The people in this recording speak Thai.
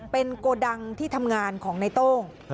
เป็นโกดังที่ทำงานของในโต้ง